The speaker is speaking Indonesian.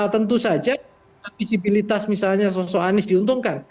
tentu saja visibilitas misalnya sosok anies diuntungkan